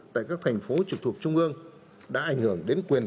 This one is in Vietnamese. tại các thành phố trực thuộc trung ương đã ảnh hưởng đến quyền